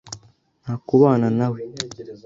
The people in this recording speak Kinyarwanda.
Nta kubana na we.